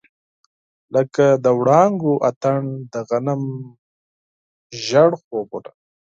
لکه د وړانګو اتڼ، د غنم ژړ خوبونه